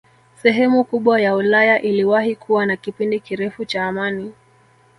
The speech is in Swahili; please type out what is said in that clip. Sehemu kubwa ya Ulaya iliwahi kuwa na kipindi kirefu cha amani